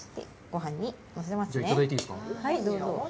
はい、どうぞ。